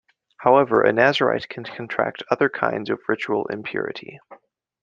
However a nazirite can contract other kinds of ritual impurity.